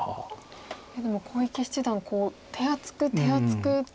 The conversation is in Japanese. いやでも小池七段手厚く手厚く